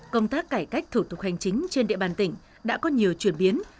công tác cải cách thủ tục hành chính trên địa bàn tỉnh đã có nhiều chuyển biến